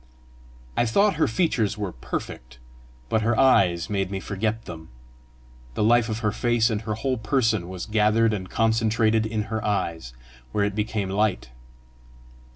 I thought her features were perfect, but her eyes made me forget them. The life of her face and her whole person was gathered and concentrated in her eyes, where it became light.